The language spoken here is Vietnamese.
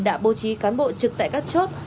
đã bố trí cán bộ trực tại các chốt